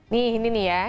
seperti ini ya